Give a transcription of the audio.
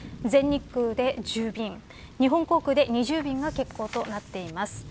全日空で１０便日本航空で２０便が欠航となっています。